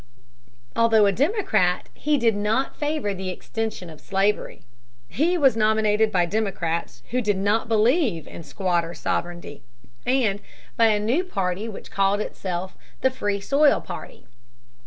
Although a Democrat, he did not favor the extension of slavery. He was nominated by Democrats who did not believe in "squatter sovereignty," and by a new party which called itself the Free Soil party.